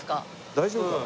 大丈夫かな？